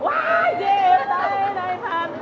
ว้ายเจ็บใส่ในพรรณ